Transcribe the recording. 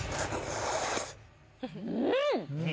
うん！